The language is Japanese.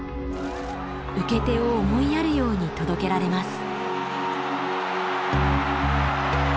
受け手を思いやるように届けられます。